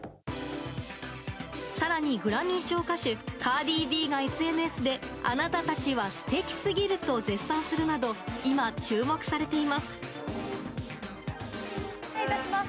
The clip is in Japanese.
さらにグラミー賞歌手、カーディーＢがＳＮＳで、あなたたちはすてきすぎると絶賛するなど、今注目されています。